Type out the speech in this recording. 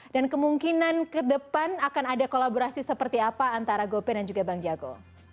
dan kemungkinan kedepan akan ada kolaborasi seperti apa antara gope dan juga bank jago